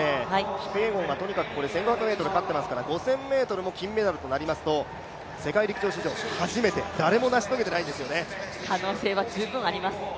キピエゴンはとにかく１５００ｍで勝っていますから５０００ｍも金メダルとなりますと、世界陸上史上初めて、可能性は十分あります。